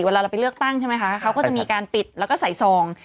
เวลาเราไปเลือกตั้งใช่ไหมคะเขาก็จะมีการปิดแล้วก็ใส่ซอง